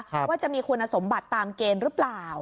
ว่าจะมีคุณสมบัติตามเกณฑ์หรือเปล่า